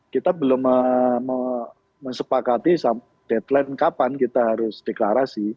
kita belum menyepakati deadline kapan kita harus deklarasi